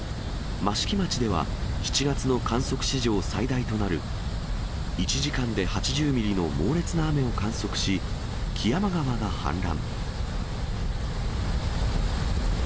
益城町では、７月の観測史上最大となる、１時間で８０ミリの猛烈な雨を観測し、木山川が氾濫。